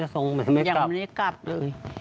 ยังไม่ได้กลับเลย